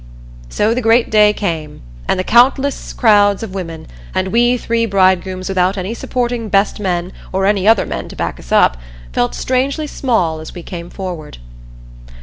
So the great day came, and the countless crowds of women, and we three bridegrooms without any supporting "best men," or any other men to back us up, felt strangely small as we came forward.